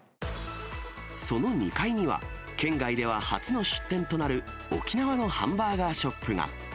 その２階には、県外では初の出店となる沖縄のハンバーガーショップが。